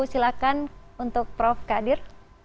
silakan untuk prof qadir